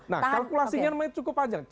nah kalkulasinya cukup panjang